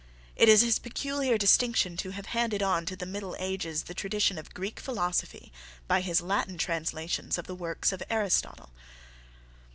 It is his peculiar distinction to have handed on to the Middle Ages the tradition of Greek philosophy by his Latin translations of the works of Aristotle.